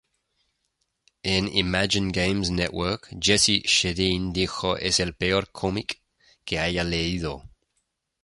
En Imagine Games Network, Jesse Schedeen dijo "es el peor cómic que haya leído".